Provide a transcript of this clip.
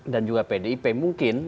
dan juga pdip mungkin